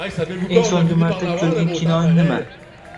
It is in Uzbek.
Eng so'nggi marta k'organ kinoing nima?